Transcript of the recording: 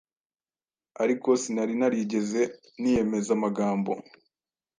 ariko sinari narigeze niyemeza amagambo.